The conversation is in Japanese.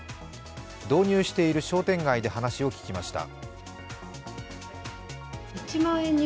導入している商店街で話を聞きました。